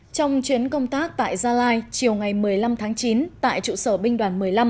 trong chuyến công tác tại gia lai chiều ngày một mươi năm tháng chín tại trụ sở binh đoàn một mươi năm